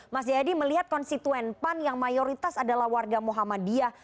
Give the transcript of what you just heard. mas jayadi melihat konstituen pan yang mayoritas adalah warga muhammadiyah